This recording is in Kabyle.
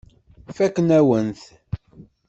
Fakken-awen-t.